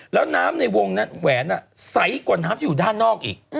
แล้วน้ำในวงนั้นแหวนใสกว่าน้ำที่อยู่ด้านนอกอีก